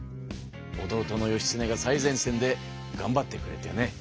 弟の義経が最前線でがんばってくれてね